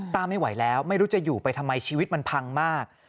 ไม่ไหวแล้วไม่รู้จะอยู่ไปทำไมชีวิตมันพังมาก